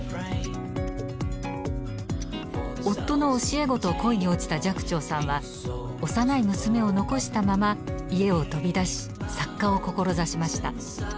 夫の教え子と恋に落ちた寂聴さんは幼い娘を残したまま家を飛び出し作家を志しました。